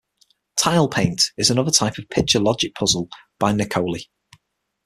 Tile Paint is another type of picture logic puzzle by Nikoli.